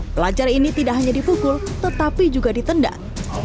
pelajar ini tidak hanya dipukul tetapi juga ditendang